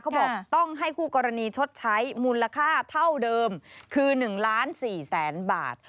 เขาบอกต้องให้คู่กรณีชดใช้มูลค่าเท่าเดิมคือ๑๔๐๐๐๐๐บาท